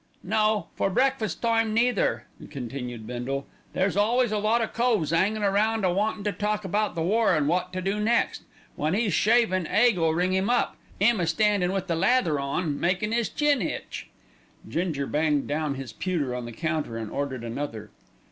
"No; nor breakfast time neither," continued Bindle. "There's always a lot o' coves 'angin' round a wantin' to talk about the war an' wot to do next. When 'e's shavin' Haig'll ring 'im up, 'im a standin' with the lather on, makin' 'is chin 'itch." Ginger banged down his pewter on the counter and ordered another.